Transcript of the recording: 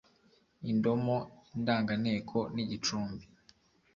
indomo, indanganteko nigicumbi